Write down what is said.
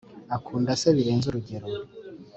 akunda se birenze urugero.